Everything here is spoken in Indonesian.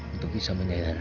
untuk bisa menyadarkan